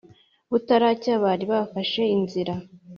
butaracya, bari bafashe inzira.